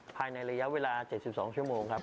ภายในระยะเวลา๗๒ชั่วโมงครับ